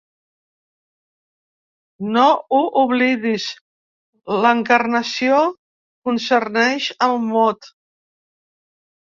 No ho oblidis: l’encarnació concerneix el mot.